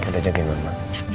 udah jangkin mama